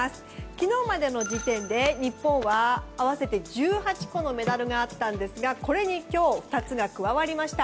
昨日までの時点で日本は合わせて１８個のメダルがあったんですがこれに今日２つが加わりました。